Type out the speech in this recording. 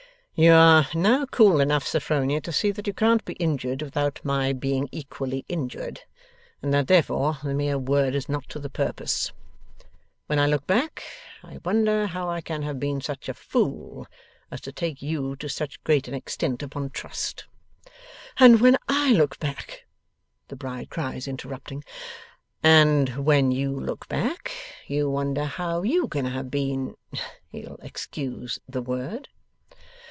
'You are now cool enough, Sophronia, to see that you can't be injured without my being equally injured; and that therefore the mere word is not to the purpose. When I look back, I wonder how I can have been such a fool as to take you to so great an extent upon trust.' 'And when I look back ' the bride cries, interrupting. 'And when you look back, you wonder how you can have been you'll excuse the word?